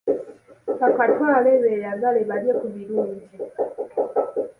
Bakatwale beeyagale balye ku birungi.